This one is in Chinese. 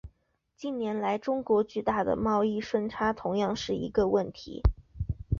近年来中国巨大的贸易顺差同样是一个问题。